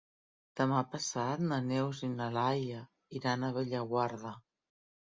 Demà passat na Neus i na Laia iran a Bellaguarda.